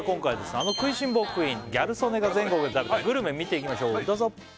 あの食いしん坊クイーンギャル曽根が全国で食べたグルメ見ていきましょうどうぞ！